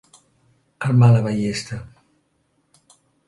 Armar la ballesta.